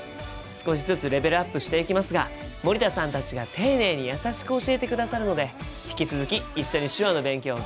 少しずつレベルアップしていきますが森田さんたちが丁寧に優しく教えてくださるので引き続き一緒に手話の勉強頑張りましょうね！